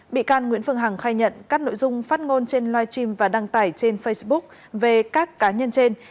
bị can nguyễn phương hằng khai nhận các nội dung phát ngôn trên live stream và đăng tải trên facebook về các cá nhân trên